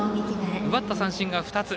奪った三振が２つ。